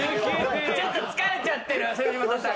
ちょっと疲れちゃってる藤本さんが。